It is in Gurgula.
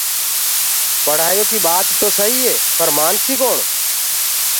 پڙهآئيو ڪي ٻآت توسهيٚ پر مآنسيٚ ڪوڻ